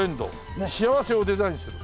幸せをデザインする。